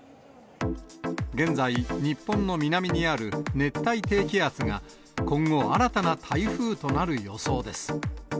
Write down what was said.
現在、日本の南にある熱帯低気圧が、今後、新たな台風となる予想です。